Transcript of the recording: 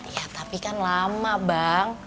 ya tapi kan lama bang